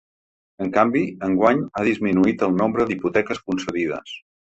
En canvi, enguany ha disminuït el nombre d’hipoteques concedides.